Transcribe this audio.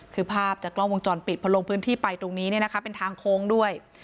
คือภาพจากกล้องวงจรปิดพอลงพื้นที่ไปตรงนี้เป็นทางโค้งด้วย